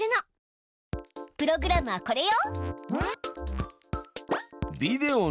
プログラムはこれよ。